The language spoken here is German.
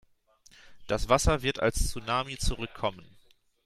Das Wasser wird als Tsunami zurückkommen.